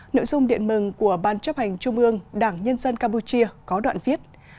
nội dung điện mừng của ban chấp hành trung ương đảng nhân dân campuchia có đoạn viết